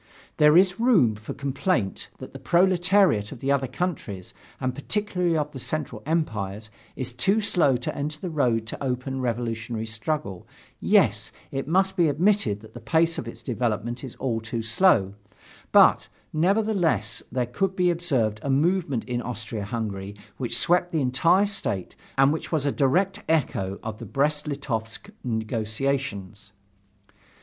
There is room for complaint that the proletariat of the other countries, and particularly of the Central Empires, is too slow to enter the road of open revolutionary struggle, yes, it must be admitted that the pace of its development is all too slow but, nevertheless, there could be observed a movement in Austria Hungary which swept the entire state and which was a direct echo of the Brest Litovsk negotiations.